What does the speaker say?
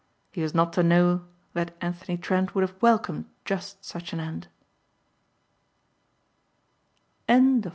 He was not to know that Anthony Trent would have welcomed just such an end.